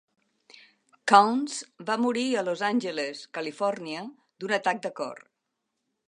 Counce va morir a Los Angeles, Califòrnia, d'un atac de cor.